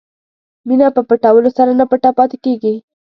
مینه په پټولو سره نه پټه پاتې کېږي.